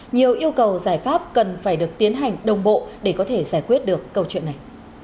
nhiều yêu cầu giải pháp cần phải được tiến hành đồng bộ để có thể giải quyết được câu chuyện này